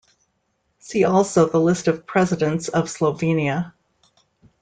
See also the list of presidents of Slovenia.